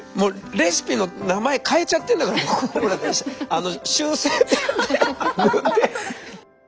レシピの名前変えちゃってるんだから修正ペンで。